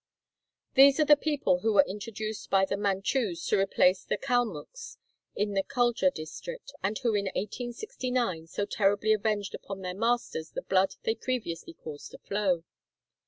These are the people who were introduced by the Manchus to replace the Kalmucks in the Kuldja district, and who in 1869 so terribly avenged upon their masters the blood they previously caused to flow.